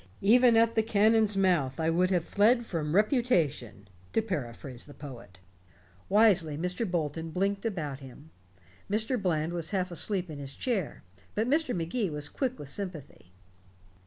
Even at the cannon's mouth I would have fled from reputation, to paraphrase the poet." Wisely Professor Bolton blinked about him. Mr. Bland was half asleep in his chair, but Mr. Magee was quick with sympathy.